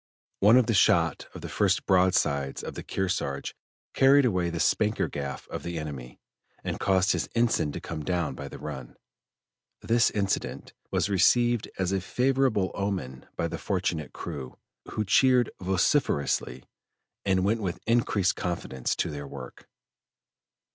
One of the shot of the first broadsides of the Kearsarge carried away the spanker gaff of the enemy, and caused his ensign to come down by the run. This incident was received as a favorable omen by the fortunate crew, who cheered vociferously and went with increased confidence to their work.